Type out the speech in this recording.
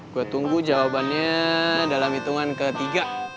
gue tunggu jawabannya dalam hitungan ketiga